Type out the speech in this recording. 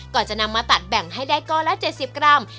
ก่อนจะนำมาตัดแบ่งให้ได้ก้อนละ๗๐กรัม